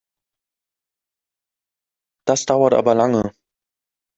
Das dauert aber lange!